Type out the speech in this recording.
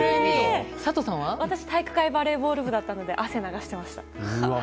体育会系バレーボール部だったので汗を流してました。